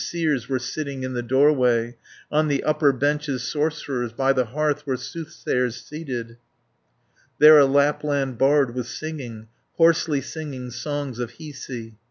Seers were sitting in the doorway, On the upper benches sorcerers, By the hearth were soothsayers seated, 400 There a Lapland bard was singing, Hoarsely singing songs of Hiisi.